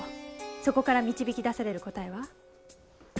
そこから導き出される答えは？